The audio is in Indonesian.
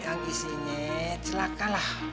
yang isinya celaka lah